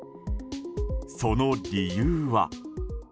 その理由は。